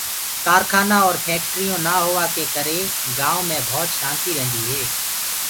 ڪآرکآنآ اور ڦيڪٽريونٚ نآ هوآ ڪي ڪري گآئونٚ مي ڀوت شآنتيٚ رهندي هي۔